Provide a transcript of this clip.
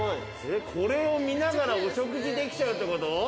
これを見ながらお食事できちゃうってこと？